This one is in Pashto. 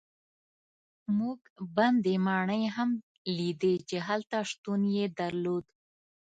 موږ بندي ماڼۍ هم لیدې چې هلته شتون یې درلود.